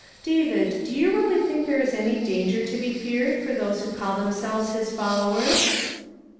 "David, do you really think there is any danger to be feared for those who call themselves his fol lowers